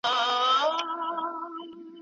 د پرمختګ لپاره به ټول اړین شرایط برابر سوي وي.